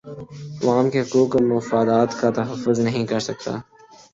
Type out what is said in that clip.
عوام کے حقوق اور مفادات کا تحفظ نہیں کر سکتا